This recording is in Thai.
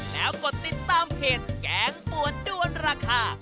แล้วกดติดตามเพจแกงปวดด้วนราคา